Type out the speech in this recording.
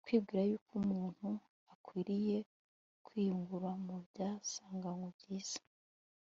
Kwibgira yuk umuntu akwiriye kwiyungura mu byasanganywe byiza